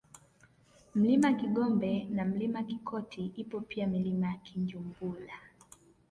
Mlima Kigombe na Mlima Kikoti ipo pia Milima ya Kijumbura